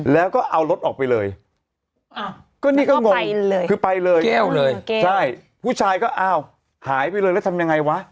แล้วก็เอารถออกไปเลยก็นี่ก็งงคือไปเลยผู้ชายก็เอาหายไปเลยแล้วทำยังไงวะ